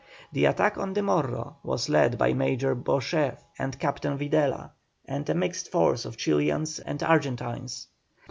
The attack on the Morro was led by Major Beauchef and Captain Videla, with a mixed force of Chilians and Argentines.